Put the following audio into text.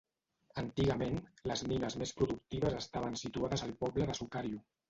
Antigament, les mines més productives estaven situades al poble de Sukariuh.